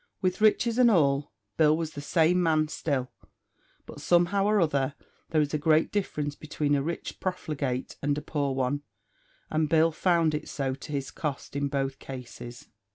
With riches and all, Bill was the same man still; but, somehow or other, there is a great difference between a rich profligate and a poor one, and Bill found it so to his cost in both cases.